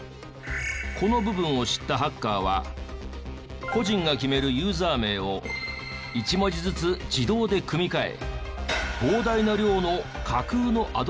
この部分を知ったハッカーは個人が決めるユーザー名を１文字ずつ自動で組み換え。